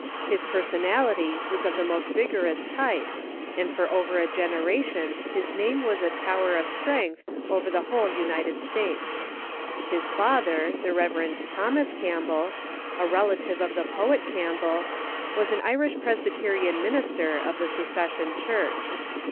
His personality was of the most vigorous type, and for Alexander ^ygj. ^ jreneration his name was a tower of strensfth Campbell =>^..=> over the whole United States. His father, the Rev. Thomas Campbell, a relative, of the poet Campbell, was an Irish Presbyterian minister of the Secession Church.